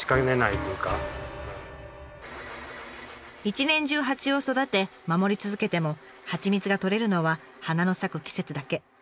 一年中蜂を育て守り続けても蜂蜜が採れるのは花の咲く季節だけ。